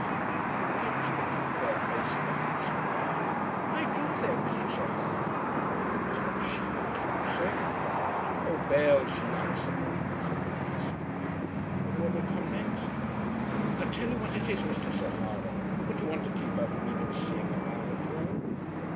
"If you like to look at the fair face of a handsome lad " "I do thin, Misthress O'Hara." "Must not she like it also?" "I'll go bail she likes it," said the priest. "And what will come next?" "I'll tell you what it is, Misthress O'Hara. Would you want to keep her from even seeing a man at all?"